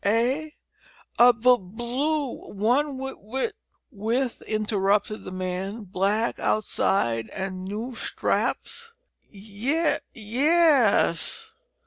"Eh! a b b blue one, wi wi " "With," interrupted the man, "black outside and noo straps?" "Ye ye yes yes!"